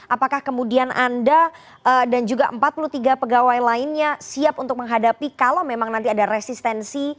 apakah kemudian anda dan juga empat puluh tiga pegawai lainnya siap untuk menghadapi kalau memang nanti ada resistensi